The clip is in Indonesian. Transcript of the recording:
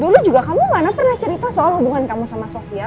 dulu juga kamu mana pernah cerita soal hubungan kamu sama sofia